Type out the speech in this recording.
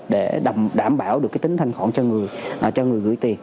để đảm bảo được cái tính thanh khoản cho người cho người gửi tiền